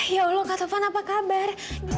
ya allah katovan apa kabar